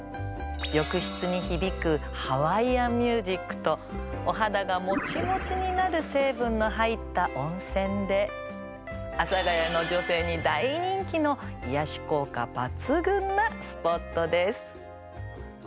浴室に響くハワイアンミュージックとお肌がモチモチになる成分の入った温泉で阿佐ヶ谷の女性に大人気の癒やし効果抜群なスポットです。